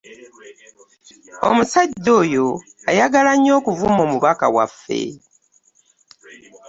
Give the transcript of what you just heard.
Omusajja oyo ayagala nnyo okuvuma omubaka waffe.